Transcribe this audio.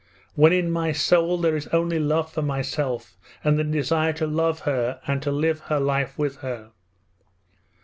when in my soul there is only love for myself and the desire to love her and to live her life with her?